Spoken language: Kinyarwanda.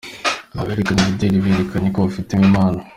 Aberekana imideli berekanye ko babifitemo impano.